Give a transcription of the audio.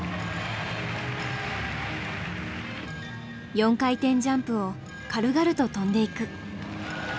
４回転ジャンプを軽々と跳んでいく。